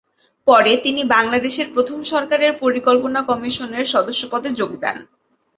পরে তিনি বাংলাদেশের প্রথম সরকারের পরিকল্পনা কমিশনের সদস্য পদে যোগ দেন।